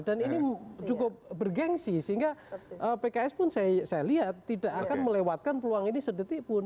ini cukup bergensi sehingga pks pun saya lihat tidak akan melewatkan peluang ini sedetik pun